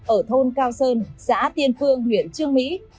ở thôn cao sơn xã tiên phương huyện trương mỹ